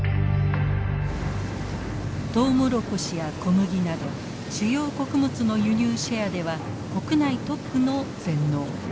トウモロコシや小麦など主要穀物の輸入シェアでは国内トップの全農。